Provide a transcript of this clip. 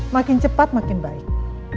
makin cepat makin baik